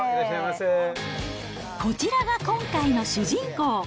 こちらが今回の主人公。